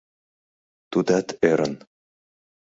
— Тудат ӧрын.